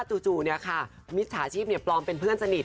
ที่แบบว่าจู่มิถย์ราชีพเปลอมเป็นเพื่อนสนิท